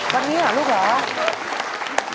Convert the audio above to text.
วันนี้ลูกเหรอ